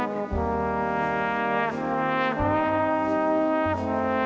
โปรดติดตามต่อไป